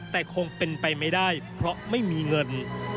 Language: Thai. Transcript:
แต่คงเป็นไปไม่ได้เพราะไม่มีเงิน